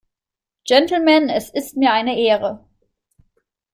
Gentlemen, es ist mir eine Ehre!